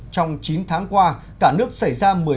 trong chín tháng qua cả nước xảy ra